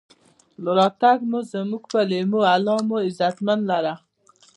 راتګ مو زمونږ پۀ لېمو، الله ج مو عزتمن لره.